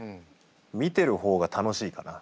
見てる方が楽しいかな。